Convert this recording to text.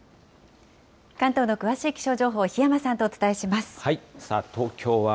関東の詳しい気象情報、檜山さんとお伝えします。